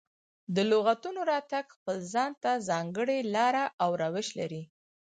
د لغتونو راتګ خپل ځان ته ځانګړې لاره او روش لري.